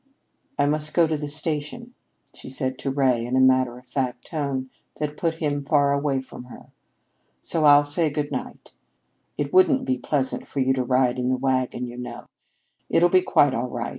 "I must go to the station," she said to Ray, in a matter of fact tone that put him far away from her. "So I'll say good night. It wouldn't be pleasant for you to ride in the wagon, you know. I'll be quite all right.